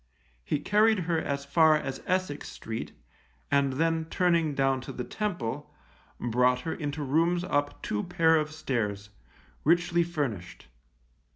He carried her as far as Essex Street, and then turning down to the Temple, brought her into rooms up two pair of stairs, richly furnished.